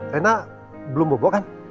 rena belum bobo kan